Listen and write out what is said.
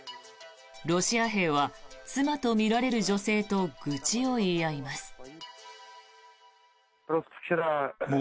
ロシア兵は妻とみられる女性と愚痴を言い合います。